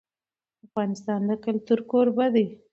افغانستان د کلتور کوربه دی.